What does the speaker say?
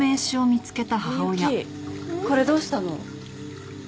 美幸これどうしたの？